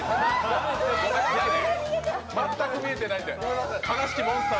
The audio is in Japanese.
全く見えてないんで。